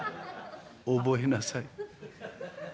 覚えなさい。